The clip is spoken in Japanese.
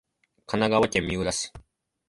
神奈川県三浦市